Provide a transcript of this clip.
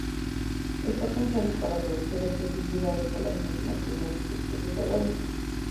Está pensado para aprovechar las posibilidades de las máquinas con múltiples procesadores.